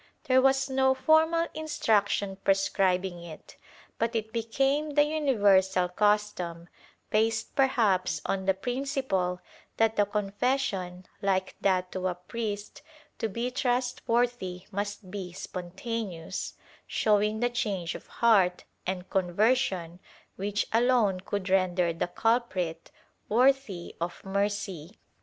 There ' Pablo Garcfa, Orden de Proccssar, fol. 10, 15, 40 THE TRIAL [Book VI was no formal instruction prescribing it, but it became the uni versal custom, based perhaps on the principle that the confession, like that to a priest, to be trustworthy must be spontaneous, showing the change of heart and conversion which alone could render the culprit worthy of mercy.